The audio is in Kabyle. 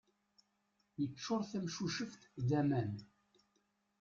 Yeččur tamcuceft d aman.